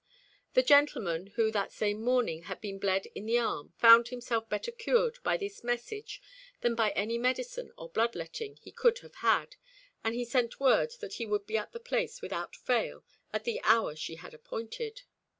The gentleman, who that same morning had been bled in the arm, found himself better cured by this message than by any medicine or bloodletting he could have had, and he sent word that he would be at the place without fail at the hour she had appointed.